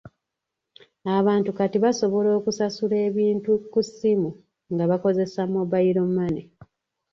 Abantu kati basobola okusasula ebintu ku ssimu nga bakozesa mobayiro mmane.